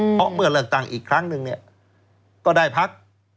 เพราะเมื่อเลือกตั้งอีกครั้งหนึ่งเนี่ยก็ได้พัก